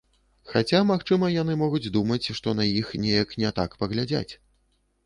Хаця магчыма яны могуць думаць, што на іх неяк не так паглядзяць.